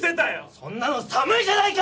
そんなの寒いじゃないか！